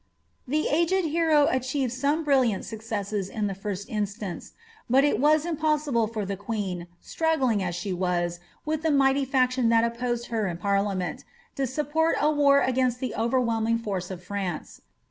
The aged hero achieved some brilliant successes in the first instance ; but it*was impossible for the queen, struggling, as she wttp, with the mighty faction that opposed her in parliament, to support a war against the overwhelming force of France.